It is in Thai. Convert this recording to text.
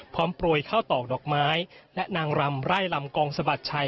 โปรยข้าวตอกดอกไม้และนางรำไร่ลำกองสะบัดชัย